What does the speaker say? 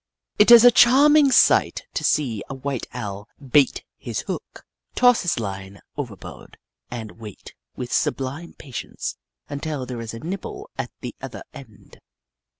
It is a charming sight to see a white Owl bait his hook, toss his line overboard, and wait, with sublime patience, until there is a nibble at the other end.